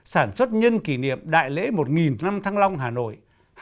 sản xuất nhân kỷ niệm đại lễ một năm thăng long hà nội